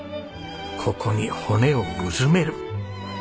ここに骨をうずめる。